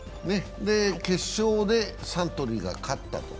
決勝でサントリーが勝ったと。